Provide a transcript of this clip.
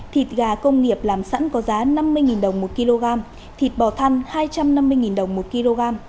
thịt gà công nghiệp làm sẵn có giá năm mươi đồng một kg thịt bò thăn hai trăm năm mươi đồng một kg